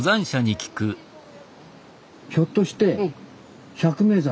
ひょっとして百名山？